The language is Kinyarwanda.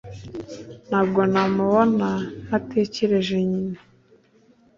Ntabwo namubona ntatekereje nyina